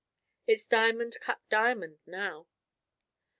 It's diamond cut diamond now."